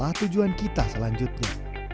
dan tujuan kita selanjutnya